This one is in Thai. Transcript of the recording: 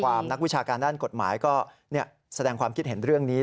นักวิชาการด้านกฎหมายก็แสดงความคิดเห็นเรื่องนี้